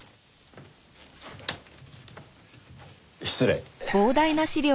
失礼。